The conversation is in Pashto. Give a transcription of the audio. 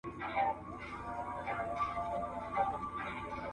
د ښکاری هم